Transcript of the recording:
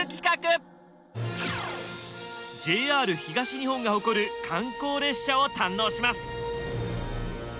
ＪＲ東日本が誇る観光列車を堪能します。